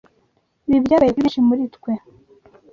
Ibi byabaye kuri benshi muri twe.